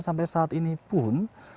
sampai saat ini pun